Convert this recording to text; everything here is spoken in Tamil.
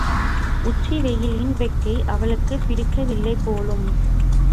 உச்சி வெயிலின் வெக்கை அவளுக்குப் பிடிக்க வில்லைபோலும்!